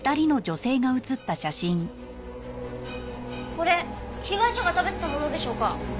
これ被害者が食べてたものでしょうか？